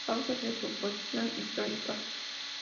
Causas de su oposición histórica.